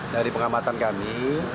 dari pengamatan kami